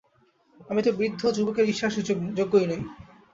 আমি তো বৃদ্ধ, যুবকের ঈর্ষার যোগ্যই নই।